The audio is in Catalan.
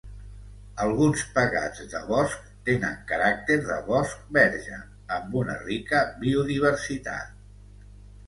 Alguns pegats de bosc tenen caràcter de bosc verge amb una rica biodiversitat.